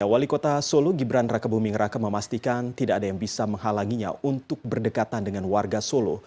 wali kota solo gibran raka buming raka memastikan tidak ada yang bisa menghalanginya untuk berdekatan dengan warga solo